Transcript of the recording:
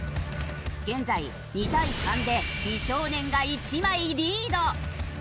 現在２対３で美少年が１枚リード。